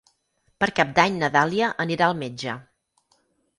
Per Cap d'Any na Dàlia anirà al metge.